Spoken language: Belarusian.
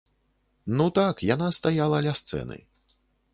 Ну так, яна стаяла ля сцэны.